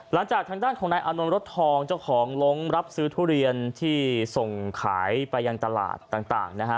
ทางด้านของนายอานนท์รถทองเจ้าของลงรับซื้อทุเรียนที่ส่งขายไปยังตลาดต่างนะฮะ